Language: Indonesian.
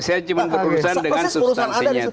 saya cuma berurusan dengan substansinya saja